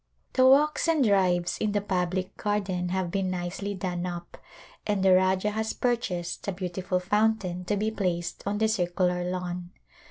The walks and drives in the public garden have been nicely done up and the Rajah has purchased a beautiful fountain to be placed on the circular lawn.